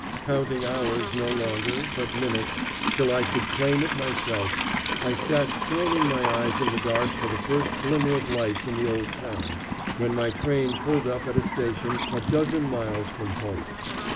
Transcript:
Counting hours no longer, but minutes, till I should claim it myself, I sat straining my eyes in the dark for the first glimmer of lights in the old town, when my train pulled up at a station a dozen miles from home.